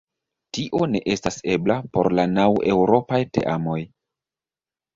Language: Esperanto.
Tio ne estas ebla por la naŭ eŭropaj teamoj.